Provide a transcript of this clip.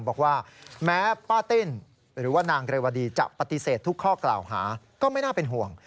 บอกว่าแม้ป้าติ้นหรือว่านางเรวดีจะปฏิเสธทุกข้อกล่าวหาก็ไม่น่าเป็นห่วง